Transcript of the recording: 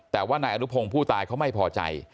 แต่ว่านายอนุพงศ์ผู้ตายเขาไม่พอใจ